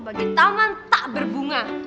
bagai taman tak berbunga